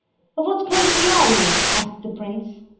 "Of what country are you?" asked the prince.